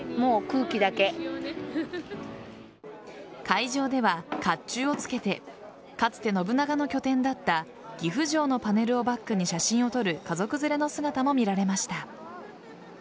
会場では、甲冑をつけてかつて信長の拠点だった岐阜城のパネルをバックに写真を撮る家族連れの姿も見られました。